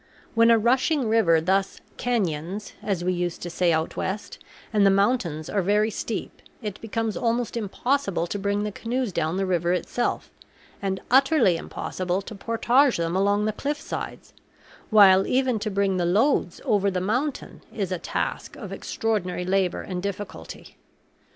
When a rushing river thus "canyons," as we used to say out West, and the mountains are very steep, it becomes almost impossible to bring the canoes down the river itself and utterly impossible to portage them along the cliff sides, while even to bring the loads over the mountain is a task of extraordinary labor and difficulty.